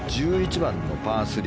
１１番のパー３。